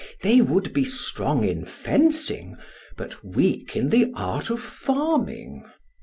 They would be strong in fencing, but weak in the art of farming.